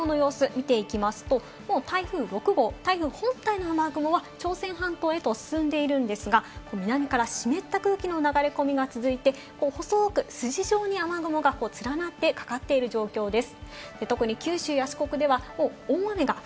雨雲の様子を見ていきますと、もう台風６号、台風本体の雨雲は朝鮮半島へと進んでいるんですが、南から湿った空気の流れ込みが続いて、細く筋状に雨雲が連なってかかっている状況です。